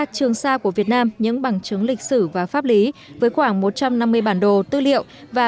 trường sa của việt nam những bằng chứng lịch sử và pháp lý với khoảng một trăm năm mươi bản đồ tư liệu và